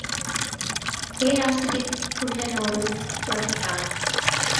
பேராசிரியர் குள்ளனோடு புறப்பட்டார்.